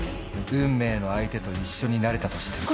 運命の相手と一緒になれたとしても。